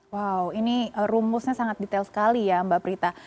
wow ini rumusnya sangat detail sekali ya mbak prita